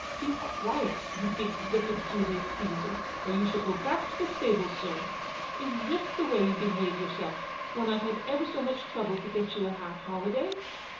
" Be quiet, you big, wicked Julius Caesar, or you shall go back to the stables, sir. Is this the way you behave yourself when I've had ever so much trouble to get you a half holiday